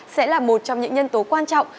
sẽ là một trong những nhân tố quan trọng